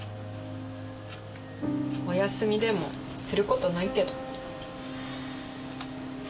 お休みでもすることないけど。